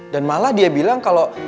dan malah dia bilang kalau